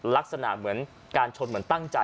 ลักษณะเหมือนการชนเหมือนตั้งใจ